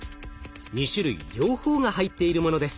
２種類両方が入っているものです。